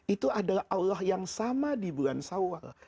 itu adalah allah yang sama di bulan sawal